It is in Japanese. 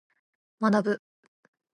学ぶ。